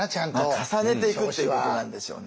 重ねていくっていうことなんでしょうね。